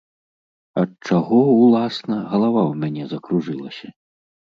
Ад чаго, уласна, галава ў мяне закружылася?